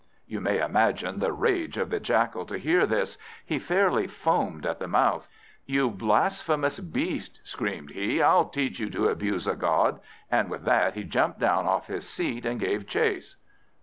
You may imagine the rage of the Jackal to hear this! He fairly foamed at the mouth. "You blasphemous beast!" screamed he, "I'll teach you to abuse a God!" And with that he jumped down off his seat, and gave chase.